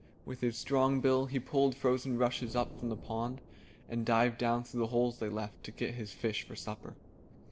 With his strong bill he pulled frozen rushes up from the pond, and dived down through the holes they left, to get his fish for supper.